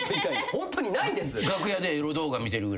ホントにないんです。